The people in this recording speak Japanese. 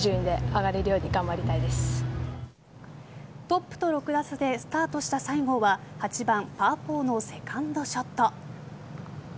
トップと６打差でスタートした西郷は８番パー４のセカンドショット。